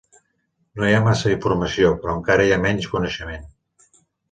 No hi ha massa informació, però encara hi ha menys coneixement.